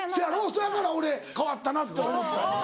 せやから俺変わったなって思った。